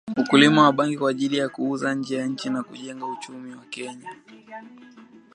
Ukulima wa bangi kwa ajili ya kuuza nje ya nchi na kujenga uchumi wa Kenya